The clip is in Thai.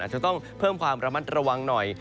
จะต้องเพิ่มความระมัดระวังหน่อย